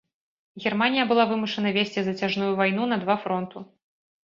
Германія была вымушана весці зацяжную вайну на два фронту.